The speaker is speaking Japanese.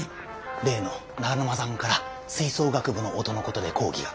例の長沼さんから吹奏楽部の音の事で抗議が。